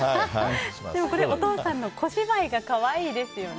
これ、お父さんの小芝居が可愛いですよね。